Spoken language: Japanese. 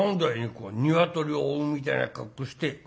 こう鶏を追うみたいな格好して。